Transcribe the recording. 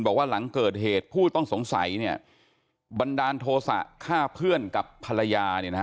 บอกว่าหลังเกิดเหตุผู้ต้องสงสัยบันดาลโทษะฆ่าเพื่อนกับภรรยา